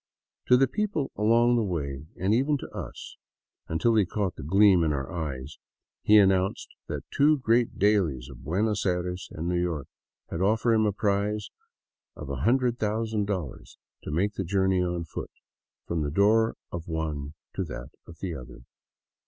To the people along the way — and even to us, until he caught the gleam in our eyes — he announced that two great dailies of Buenos Aires and New York had offered him a prize of $100,000 to make the journey on foot from the door of one to that of the other.